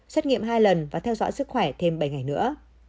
xét nghiệm hai lần và theo dõi sức khỏe thêm bảy ngày nữa